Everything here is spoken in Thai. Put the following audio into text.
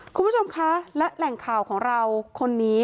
คุณผู้ชมคะและแหล่งข่าวของเราคนนี้